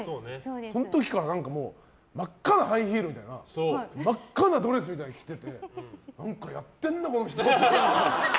その時から真っ赤なハイヒールに真っ赤なドレスみたいなの着てて何かやってんな、この人って。